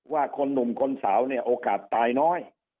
ว่าคนหนุ่มคนสาวเนี่ยโอกาสตายน้อย